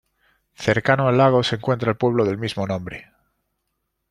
Cercano al lago se encuentra el pueblo del mismo nombre.